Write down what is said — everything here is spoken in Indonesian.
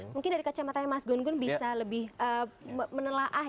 mungkin dari kacamatanya mas gun gun bisa lebih menelaah